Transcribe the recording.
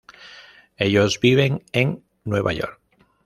Ellos viven en nueva york.